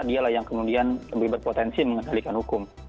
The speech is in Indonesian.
dialah yang kemudian lebih berpotensi mengendalikan hukum